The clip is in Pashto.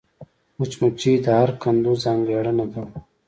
مچمچۍ د هر کندو ځانګړېنده ده